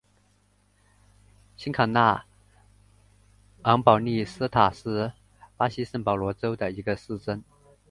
新卡纳昂保利斯塔是巴西圣保罗州的一个市镇。